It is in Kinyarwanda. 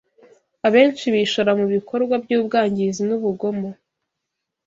abenshi bishora mu bikorwa by’ubwangizi n’ubugomo